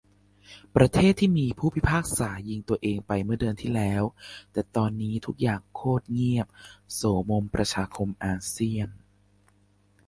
ประเทศที่มี ผู้พิพากษายิงตัวเอง ไปเมื่อเดือนที่แล้ว แต่ตอนนี้ทุกอย่างโคตรเงียบ โสมมประชาคมอาเซียน